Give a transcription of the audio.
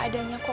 pernah nggak tau